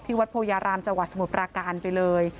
วัดโพยารามจังหวัดสมุทรปราการไปเลย